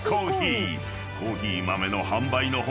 ［コーヒー豆の販売の他